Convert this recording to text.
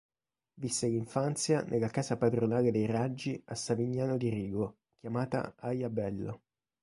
Visse l'infanzia nella casa padronale dei Raggi a Savignano di Rigo, chiamata "Aia Bella.